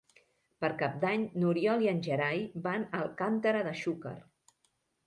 Per Cap d'Any n'Oriol i en Gerai van a Alcàntera de Xúquer.